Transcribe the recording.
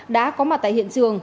đã có mặt tại hiện trường